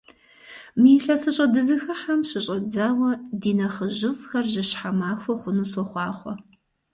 Мы илъэсыщӀэ дызыхыхьэм щыщӀэдзауэ ди нэхъыжьыфӀхэр жьыщхьэ махуэ хъуну сохъуахъуэ!